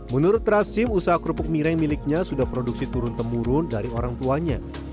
menurut rasim usaha kerupuk mirai miliknya sudah produksi turun temurun dari orang tuanya